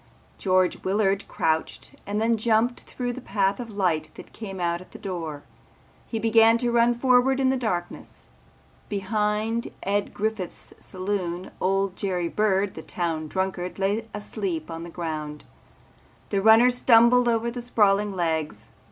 George Willard crouched and then jumped through the path of light that came out at the door. He began to run forward in the darkness. Behind Ed Griffith's saloon old Jerry Bird the town drunkard lay asleep on the ground. The runner stumbled over the sprawling legs.